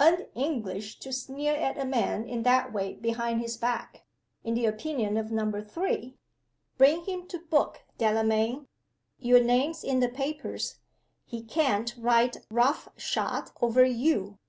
Un English to sneer at a man in that way behind his back in the opinion of Number Three. Bring him to book, Delamayn. Your name's in the papers; he can't ride roughshod over You."